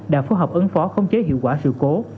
đã phù hợp ứng phó khống chế hiệu quả sự cố